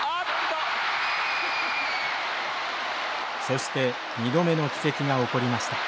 そして２度目の奇跡が起こりました。